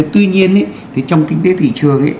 tuy nhiên trong kinh tế thị trường